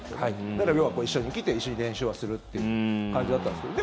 だから、要は一緒に来て一緒に練習はするっていう感じだったんですけど。